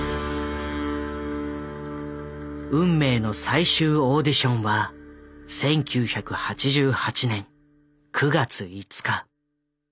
運命の最終オーディションは１９８８年９月５日。